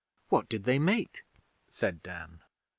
'What did they make?' said Dan.